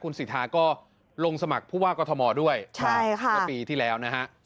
คุณสิทธาก็ลงสมัครผู้ราวกธมด้วยนะครับ๑ปีที่แล้วนะฮะส่วนใช่ค่ะ